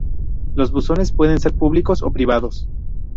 Los buzones pueden ser públicos o privados.